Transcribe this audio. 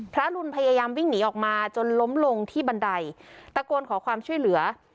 รุนพยายามวิ่งหนีออกมาจนล้มลงที่บันไดตะโกนขอความช่วยเหลือ